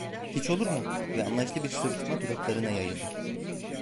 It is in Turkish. "Hiç olur mu?" ve anlayışlı bir sırıtma dudaklarına yayıldı.